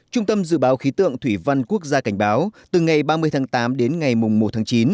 trung tâm dự báo khí tượng thủy văn quốc gia cảnh báo từ ngày ba mươi tháng tám đến ngày một tháng chín